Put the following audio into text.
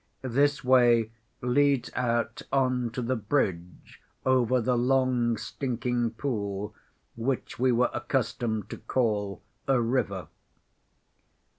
This way leads out on to the bridge over the long, stinking pool which we were accustomed to call a river.